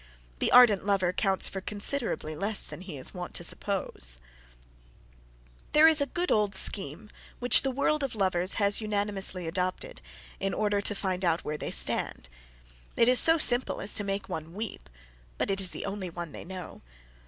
The ardent lover counts for considerably less than he is wont to suppose. [Sidenote: The Only One They Know] There is a good old scheme which the world of lovers has unanimously adopted, in order to find out where they stand. It is so simple as to make one weep, but it is the only one they know.